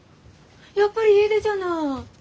やっぱり家出じゃない！